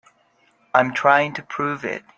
I'm trying to prove it.